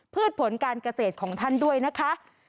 ผลการเกษตรของท่านด้วยนะคะ